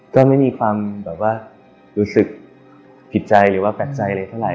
ก็ไม่มีความรู้สึกผิดใจหรือแปลกใจอะไรเท่าไหร่